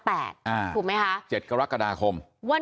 พรุ่งด้านข้อ๗กรกฎาคม